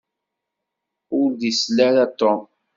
Ur d-isel ara Tom.